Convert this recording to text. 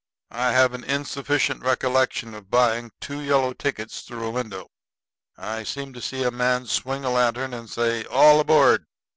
I have an insufficient recollection of buying two yellow tickets through a window; and I seemed to see a man swing a lantern and say "All aboard!"